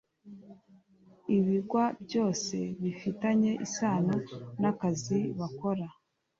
ibyigwa byose bifitanye isano n’ akazi bakora